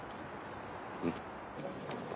うん。